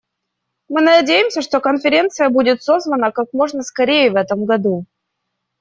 Мы надеемся, что конференция будет созвана как можно скорее в этом году.